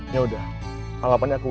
yaudah alapannya ke wa ya